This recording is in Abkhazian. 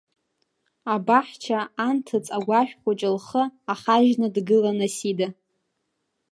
Абаҳча анҭыҵ агәашә хәыҷы лхы ахажьны дгылан Асида.